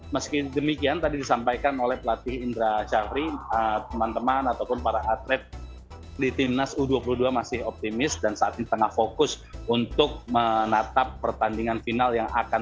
meski demikian tadi disampaikan oleh pelatih indra syafri teman teman ataupun para atlet di timnas u dua puluh dua masih optimis dan saat ini tengah fokus untuk menatap pertandingan final yang akan